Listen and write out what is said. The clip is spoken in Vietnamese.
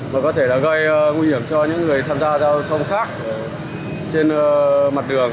mà có thể là gây nguy hiểm cho những người tham gia giao thông khác trên mặt đường